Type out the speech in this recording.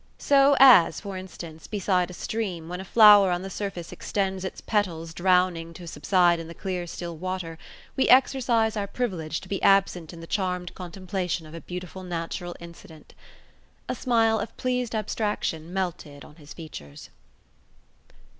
So, as, for instance, beside a stream, when a flower on the surface extends its petals drowning to subside in the clear still water, we exercise our privilege to be absent in the charmed contemplation of a beautiful natural incident. A smile of pleased abstraction melted on his features.